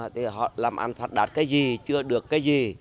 thì họ làm ăn đạt cái gì chưa được cái gì